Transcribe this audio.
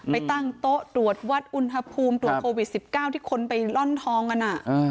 ไปตั้งโต๊ะตรวจวัดอุณหภูมิตรวจโควิด๑๙ที่คนไปล่อนทองกัน